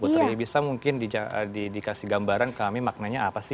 putri bisa mungkin dikasih gambaran kami maknanya apa sih